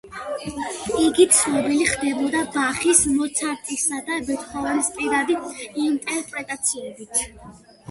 იგი ცნობილი ხდებოდა ბახის, მოცარტისა და ბეთჰოვენის პირადი ინტერპრეტაციებით.